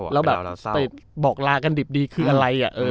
แล้วแบบไปบอกลากันดิบดีคืออะไร